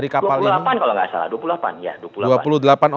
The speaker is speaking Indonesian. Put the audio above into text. dua puluh delapan kalau tidak salah